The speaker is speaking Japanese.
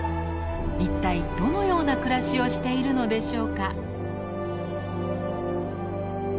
一体どのような暮らしをしているのでしょうか？